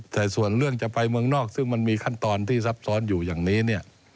แต่ส่วนเรื่องจะไปเมืองนอกซึ่งมันมีขั้นตอนที่ซับซ้อนอยู่อย่างนี้เนี่ย